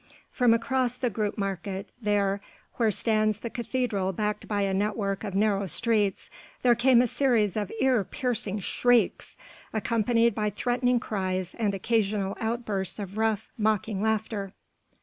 From across the Grootemarkt there, where stands the cathedral backed by a network of narrow streets, there came a series of ear piercing shrieks, accompanied by threatening cries and occasional outbursts of rough, mocking laughter.